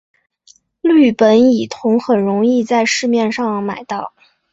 氯苯乙酮很容易在市面上买到。